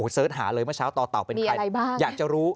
เสิร์ชหาเลยเมื่อเช้าต่อเป็นใครอยากจะรู้